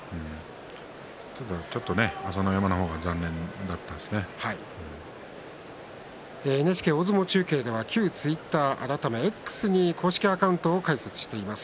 ただちょっと朝乃山の方がＮＨＫ大相撲中継では旧ツイッター改めＸに公式アカウントを開設しています。